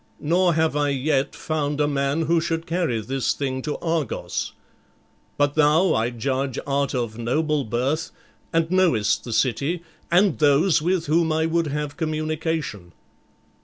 Nor have I yet found a man who should carry this thing to Argos. But thou, I judge, art of noble birth and knowest the city and those with whom I would have communication.